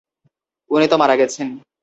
উনি তো মারা গেছেন?